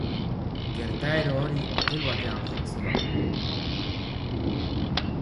Gertaera hori hotel batean jazo da.